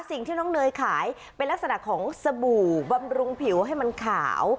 สิ่งที่น้องเนยขายเป็นลักษณะของสบู่บำรุงผิวให้มันขาว